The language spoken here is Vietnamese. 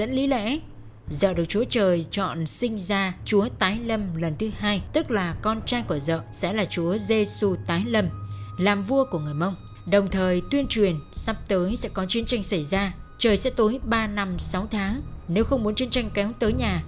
nếu không muốn chiến tranh kéo tới nhà